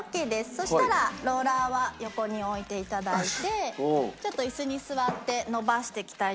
そしたらローラーは横に置いていただいてちょっと椅子に座って伸ばしていきたいと思います。